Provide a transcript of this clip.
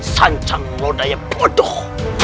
sanjang rodaya bodoh